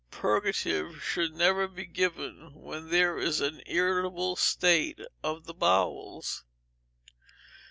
Purgatives should never be given when there is an irritable state of the bowels.